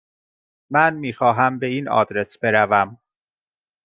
من میخواهم به این آدرس بروم.